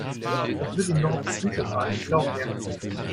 Das wird ihm noch auf die Füße fallen, glaub mir!